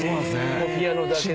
ピアノだけ。